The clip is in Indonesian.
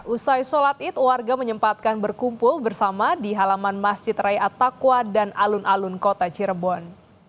usai sholat id warga menyempatkan berkumpul bersama di halaman masjid raya attaqwa dan alun alun kota cirebon